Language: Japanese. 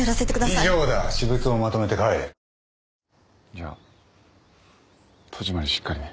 じゃあ戸締まりしっかりね。